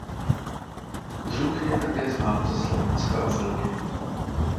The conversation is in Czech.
Druh je také znám ze Slovenska a Belgie.